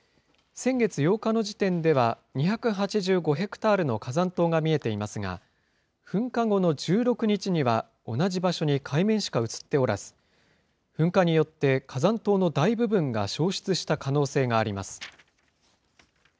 先月８日の時点では、２８５ヘクタールの火山島が見えていますが、噴火後の１６日には、同じ場所に海面しか写っておらず、噴火によって火山島の大部分が消失した可能性があります。